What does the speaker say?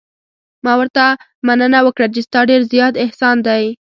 ما ورته مننه وکړه چې ستا ډېر زیات احسان دی.